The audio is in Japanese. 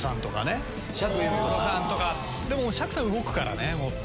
でも釈さん動くからねもっと。